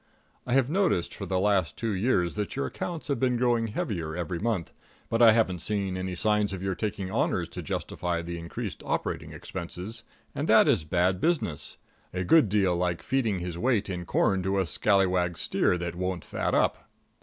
I have noticed for the last two years that your accounts have been growing heavier every month, but I haven't seen any signs of your taking honors to justify the increased operating expenses; and that is bad business a good deal like feeding his weight in corn to a scalawag steer that won't fat up.